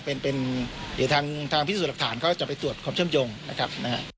เป็นทางพิสูจน์หลักฐานเขาจะไปตรวจของเชื่อมโยงนะครับ